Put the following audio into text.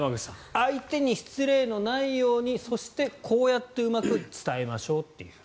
相手に失礼のないようにそして、こうやってうまく伝えましょうという。